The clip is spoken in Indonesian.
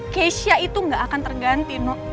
keisha itu gak akan terganti nok